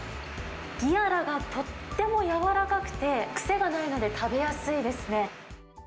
ギアラがとってもやわらかくて、癖がないので食べやすいですね。